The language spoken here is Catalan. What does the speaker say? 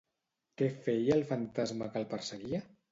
Què feia el fantasma que el perseguia?